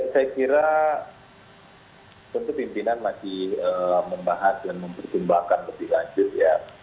saya kira tentu pimpinan masih membahas dan mempertimbangkan lebih lanjut ya